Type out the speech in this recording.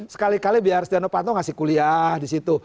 sekali kali biar setiano panto ngasih kuliah di situ